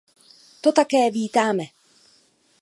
To také vítáme.